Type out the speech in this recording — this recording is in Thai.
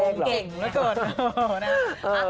เก่งแล้วเกิน